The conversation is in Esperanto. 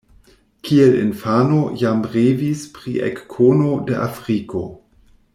Kiel infano jam revis pri ekkono de Afriko.